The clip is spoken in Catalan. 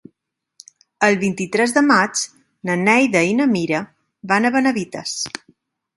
El vint-i-tres de maig na Neida i na Mira van a Benavites.